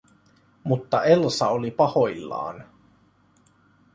Mutta Elsa oli pahoillaan.